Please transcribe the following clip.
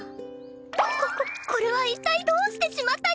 こここれは一体どうしてしまったにゃん！？